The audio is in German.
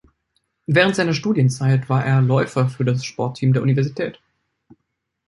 Während seiner Studienzeit war er Läufer für das Sportteam der Universität.